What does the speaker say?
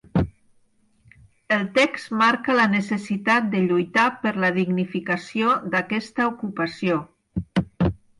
El text marca la necessitat de lluitar per la dignificació d’aquesta ocupació.